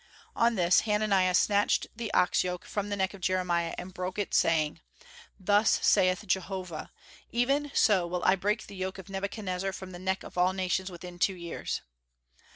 On this, Hananiah snatched the ox yoke from the neck of Jeremiah, and broke it, saying, "Thus saith Jehovah, Even so will I break the yoke of Nebuchadnezzar from the neck of all nations within two years."